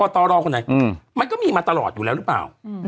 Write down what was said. ถูกไหมละ